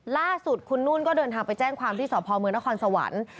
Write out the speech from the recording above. ล่าสุดคุณนุ่นก็เดินทางไปแจ้งความที่สพเมืองนครสวรรค์